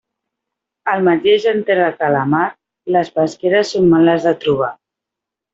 El mateix en terra que a la mar, les pesqueres són males de trobar.